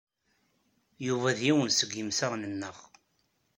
Yuba d yiwen seg yemsaɣen-nneɣ.